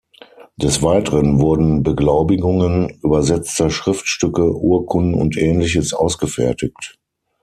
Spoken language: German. Des Weiteren wurden Beglaubigungen übersetzter Schriftstücke, Urkunden und Ähnliches ausgefertigt.